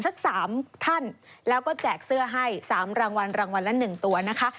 สัก๓ท่านแล้วก็แจกเสื้อให้๓รางวัลรางวัลละ๑ตัวนะคะ